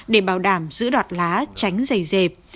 để bảo đảm giữ đọt lá tránh dày dẹp